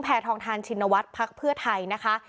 ทองทานชินวัฒน์พักเพื่อไทยนะคะ